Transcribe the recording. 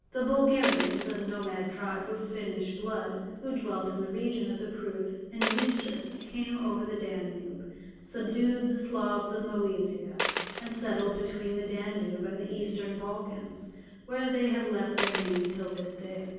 The Bulgarians, a nomad tribe of Finnish blood, who dwelt in the region of the Pruth and Dniester, came over the Danube, subdued the Slavs of Moesia, and settled between the Danube and the Eastern Balkans, where they have left their name till this day.